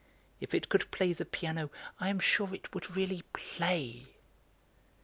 If it could play the piano, I am sure it would really play."